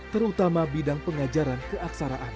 terutama bidang pengajaran keaksaraan